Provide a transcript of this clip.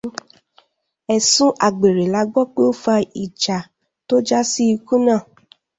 Ẹ̀sùn àgbèrè la gbọ́ pé ó fá ìjà, tó já sí ikú náà.